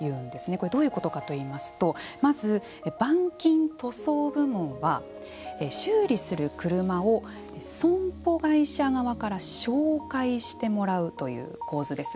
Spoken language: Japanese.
これはどういうことかといいますとまず、板金・塗装部門は修理する車を損保会社側から紹介してもらうという構図です。